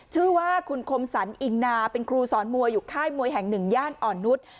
ชื่อว่าคุณคมสรรอิงนาเป็นครูสอนมวยอยู่ค่ายมวยแห่งหนึ่งย่านอ่อนนุษย์